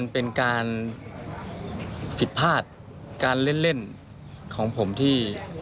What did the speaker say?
เป็นการเล่นเล่นเล่นของผมที่